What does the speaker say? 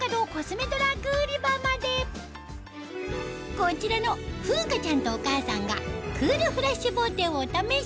こちらの楓果ちゃんとお母さんがクールフラッシュボーテをお試し！